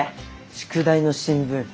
宿題の新聞